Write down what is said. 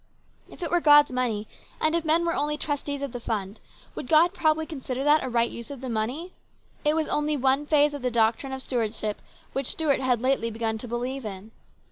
If it were God's money, and if men were only trustees of the funds, would God probably consider that a right use of the money ? It was only one phase of the doctrine of stewardship which Stuart had lately begun to believe in.